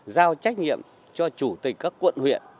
giao trách nhiệm cho chủ tịch các quận huyện